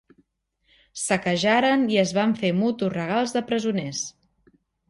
Saquejaren i es van fer mutus regals de presoners.